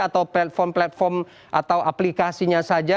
atau platform platform atau aplikasinya saja